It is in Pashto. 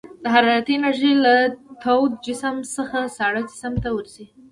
د حرارتي انرژي له تود جسم څخه ساړه جسم ته ورځي.